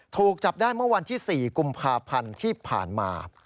ถูกจับได้เมื่อวันที่๔กุมภาพันธ์ที่ผ่านมา